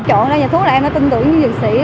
chọn ra nhà thuốc là em đã tin tưởng như dược sĩ